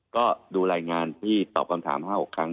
ก็ดูรายงานที่ตอบคำถาม๕๖ครั้ง